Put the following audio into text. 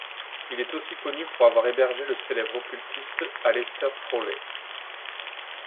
Il est aussi connu pour avoir hébergé le célèbre occultiste Aleister Crowley.